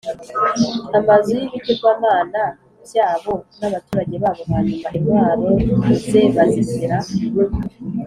amazu y ibigirwamana b byabo n abaturage babo Hanyuma intwaro c ze bazishyira